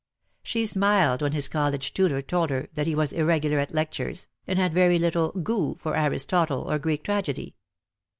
She smiled when his college tutor told her that he was irregular at lectures, and had very little gout DEAD LOVE HAS CHAINS. 55 for Aristotle — or Greek tragedy.